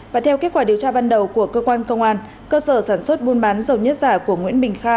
và theo kết quả điều tra ban đầu của cơ quan công an cơ sở sản xuất buôn bán dầu nhất giả của nguyễn bình kha